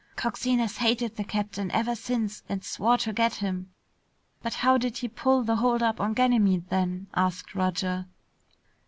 Coxine has hated the captain ever since and swore to get him." "But how did he pull the holdup on Ganymede, then?" asked Roger.